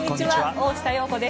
大下容子です。